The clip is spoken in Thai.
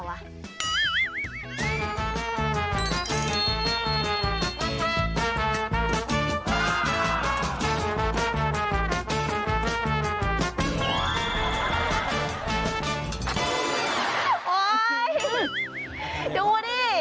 โอ๊ยดูดี